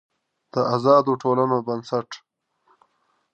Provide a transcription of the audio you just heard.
د آزادو ټولنو بنسټ